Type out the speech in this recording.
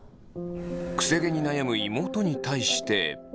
くせ毛に悩む妹に対して。